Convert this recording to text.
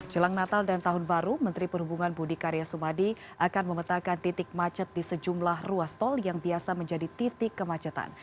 jelang natal dan tahun baru menteri perhubungan budi karya sumadi akan memetakan titik macet di sejumlah ruas tol yang biasa menjadi titik kemacetan